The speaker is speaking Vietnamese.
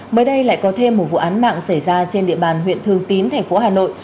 mới đây lại có thêm một vụ án mạng xảy ra trên địa bàn huyện thường tín thành phố hà nội